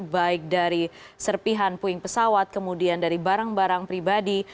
baik dari serpihan puing pesawat kemudian dari barang barang pribadi